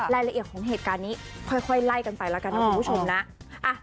รายละเอียดของเหตุการณ์นี้ค่อยไล่กันไปแล้วกันนะคุณผู้ชมนะ